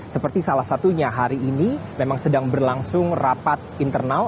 seperti salah satunya hari ini memang sedang berlangsung rapat internal